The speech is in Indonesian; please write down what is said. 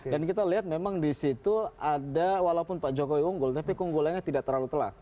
dan kita lihat memang di situ ada walaupun pak jokowi unggul tapi keunggulannya tidak terlalu telak